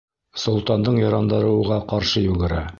Солтандың ярандары уға ҡаршы йүгерә.